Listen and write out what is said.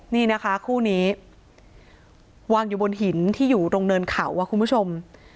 นี่นะคะคู่นี้วางอยู่บนหินที่อยู่ตรงเนินเขาคุณผู้ชม